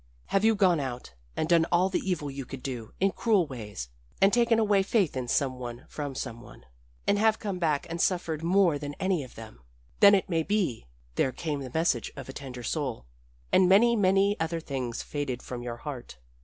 Have you gone out and done all the evil you could do, in cruel ways, and taken away faith in some one from some one and have come back and suffered more than any of them? Then it may be there came the message of a tender soul and many, many other things faded from your heart.